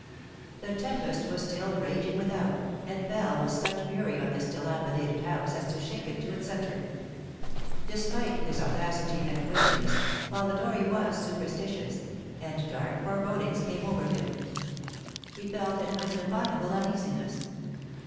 The tempest was still raging without, and fell with such fury on this dilapidated house as to shake it to its centre. Despite his audacity and wickedness, Polidori was superstitious, and dark forebodings came over him; he felt an undefinable uneasiness.